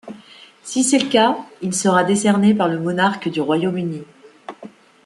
Si c'est le cas, il sera décerné par le monarque du Royaume-Uni.